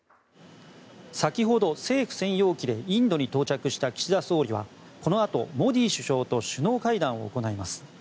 先ほど政府専用機でインドに到着した岸田総理はこのあとモディ首相と首脳会談を行います。